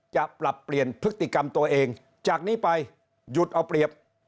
จะปรับเปลี่ยนพฤติกรรมตัวเองจากนี้ไปหยุดเอาเปรียบ